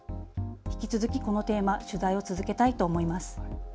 引き続きこのテーマ、取材を続けたいと思います。